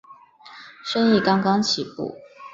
生意刚刚起步